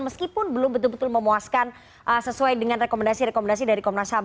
meskipun belum betul betul memuaskan sesuai dengan rekomendasi rekomendasi dari komnas ham